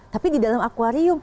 tapi di dalam akwarium